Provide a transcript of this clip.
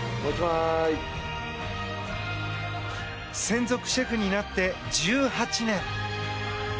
専属シェフになって１８年。